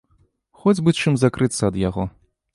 Хоць бы чым закрыцца ад яго.